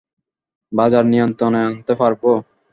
বাজার নিয়ন্ত্রণে আনতে পারবো।